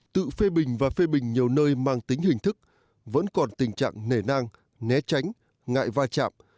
tự phê bình và phê bình nhiều nơi mang tính hình thức vẫn còn tình trạng nể nang né tránh ngại va chạm